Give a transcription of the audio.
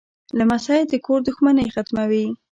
لمسی د کور دښمنۍ ختموي.